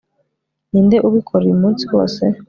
ninde ubikora uyu munsi wose